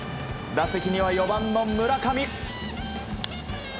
打席には４番の村上。